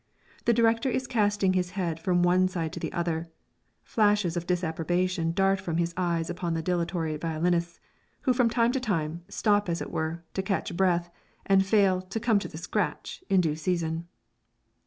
The director is casting his head from one side to the other, flashes of disapprobation dart from his eyes upon the dilatory violinists, who from time to time, stop as it were, to catch breath, and fail to "come to the scratch" in due season.